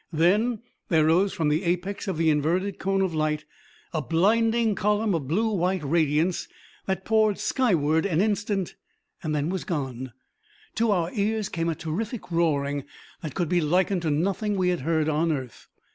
Then there rose from the apex of the inverted cone of light a blinding column of blue white radiance that poured skyward an instant and was gone. To our ears came a terrific roaring that could be likened to nothing we had heard on earth.